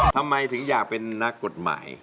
ทำไมถึงอยากเป็นนักกฎหมาย